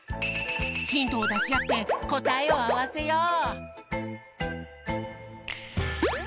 ヒントをだしあってこたえをあわせよう！